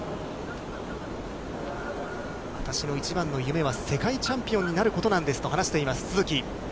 私の一番の夢は世界チャンピオンになることなんですと話しています、都筑。